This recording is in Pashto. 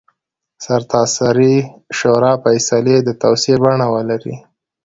د سرتاسري شورا فیصلې د توصیې بڼه ولري.